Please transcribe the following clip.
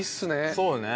そうね。